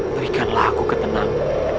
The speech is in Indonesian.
berikanlah aku ketenang